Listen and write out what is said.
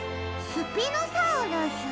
スピノサウルス？